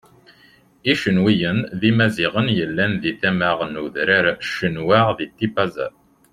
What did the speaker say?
Icenwiyen d Imaziɣen yellan deg tama n udran n Cenwa di Tipaza.